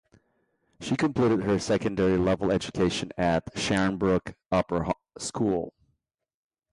She completed her secondary level education at Sharnbrook Upper School.